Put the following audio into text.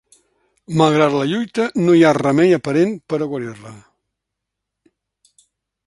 Malgrat la lluita, no hi ha remei aparent per a guarir-la.